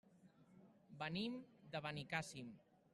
Venim de Benicàssim.